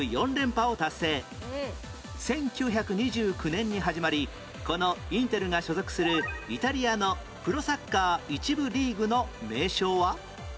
１３年前１９２９年に始まりこのインテルが所属するイタリアのプロサッカー１部リーグの名称は？